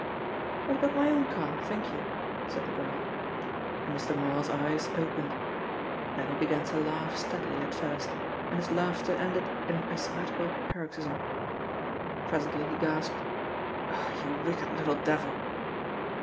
"I've got my own car, thank you," said the girl, and Mr. Marl's eyes opened. Then he began to laugh steadily at first, and his laughter ended in an asthmatical paroxysm. Presently he gasped: "Oh, you wicked little devil!"